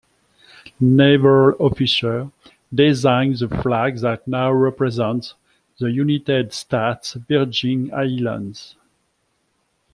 Naval officer, designed the flag that now represents the United States Virgin Islands.